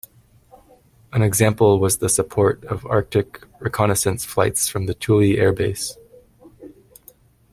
An example was the support of Arctic reconnaissance flights from Thule Air Base.